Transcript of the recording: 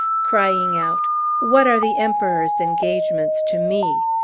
Crying out, "What are the emperor's engagements to me?"